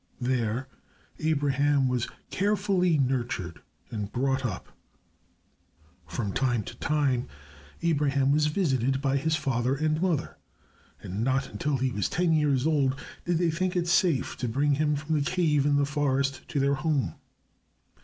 There Abraham was carefully nurtured and brought up. From time to time Abraham was visited by his father and mother, and not until he was ten years old did they think it safe to bring him from the cave in the forest to their home.